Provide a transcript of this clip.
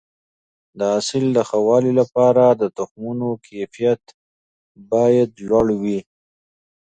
د حاصل د ښه والي لپاره د تخمونو کیفیت باید لوړ وي.